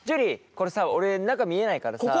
これさ俺中見えないからさ。